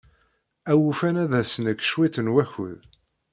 Awufan ad as-nefk cwiṭ n wakud.